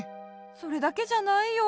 それだけじゃないよ。